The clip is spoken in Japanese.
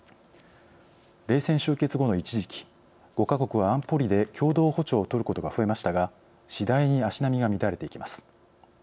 冷戦終結後の一時期５か国は安保理で共同歩調を取ることが増えましたが次第に足並みが乱れていきます。